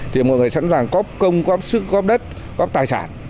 thì mọi người sẵn sàng góp công góp sức góp đất góp tài sản